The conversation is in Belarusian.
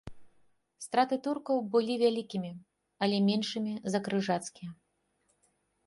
Страты туркаў былі вялікімі, але меншымі за крыжацкія.